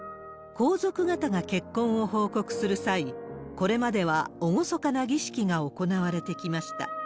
皇族方が結婚を報告する際、これまでは厳かな儀式が行われてきました。